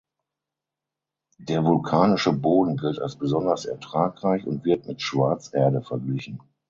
Der vulkanische Boden gilt als besonders ertragreich und wird mit Schwarzerde verglichen.